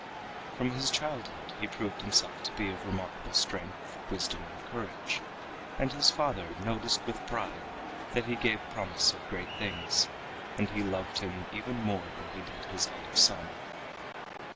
From his childhood he proved himself to be of remarkable strength, wisdom and courage, and his father noticed with pride that he gave promise of great things, and he loved him even more than he did his elder son.